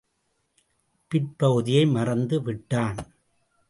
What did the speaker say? பிற்பகுதியை மறந்து விட்டான்.